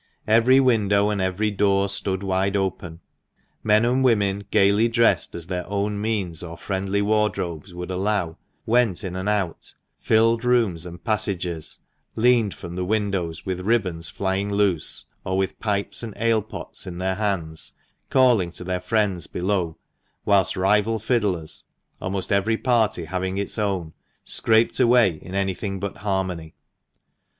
Every window and every door stood wide open. Men and women, gaily dressed as their own means or friendly wardrobes would allow, went in and out, filled rooms and passages, leaned from the windows with ribbons flying loose, or with pipes and ale pots in their hands, calling to their friends below, whilst rival fiddlers (almost every party having its own) scraped away in anything but harmony.